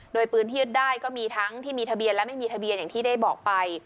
โดยปืนที่ยึดได้ก็มีทั้งที่มีทะเบียนและไม่มีทะเบียนอย่างที่ได้บอกไป